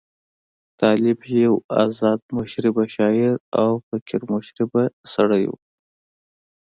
طالب یو آزاد مشربه شاعر او فقیر مشربه سړی وو.